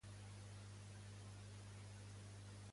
Què va fer després en ella?